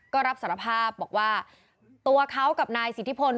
ก็รับสารภาพบอกว่าตัวเขากับนายสิทธิพล